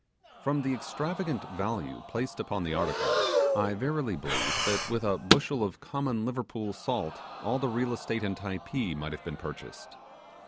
From the extravagant value placed upon the article, I verily believe, that with a bushel of common Liverpool salt all the real estate in Typee might have been purchased.